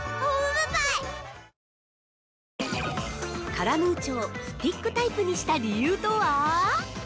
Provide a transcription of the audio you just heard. カラムーチョをスティックタイプにした理由とは？